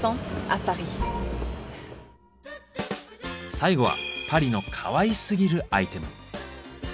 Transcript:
最後はパリのかわいすぎるアイテム。